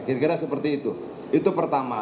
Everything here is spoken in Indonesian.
kira kira seperti itu itu pertama